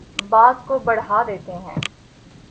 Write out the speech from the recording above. بات کو بڑھا دیتے ہیں